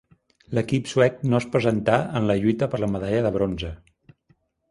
L'equip suec no es presentà en la lluita per la medalla de bronze.